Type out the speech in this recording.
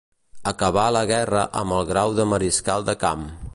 Acabà la guerra amb el grau de mariscal de camp.